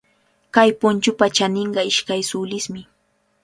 Kay punchupa chaninqa ishkay sulismi.